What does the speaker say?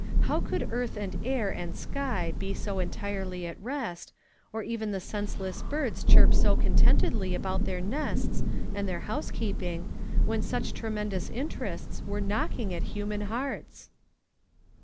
How could earth and air and sky be so entirely at rest, or even the senseless birds chirp so contentedly about their nests and tlieir housekeeping, when such tremendous inter ests were knocking at human hearts